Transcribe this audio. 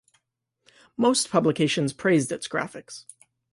Most publications praised its graphics.